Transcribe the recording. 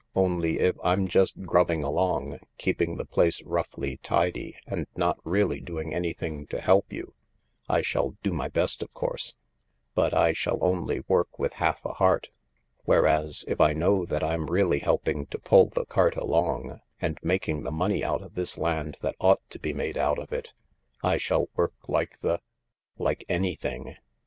Only if I'm just grubbing along, keeping the place roughly tidy and not really doing anything to help you, I shall do my best, of course, but I shall only work with half a heart. Whereas if I know that I'm really helping to pull the cart along, and making the money out of this land that ought to be made out of it, I shall work like the— like anything.